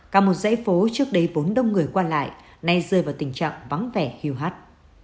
cả một dãy phố trước đây vốn đông người qua lại nay rơi vào tình trạng vắng vẻ hiêu hắt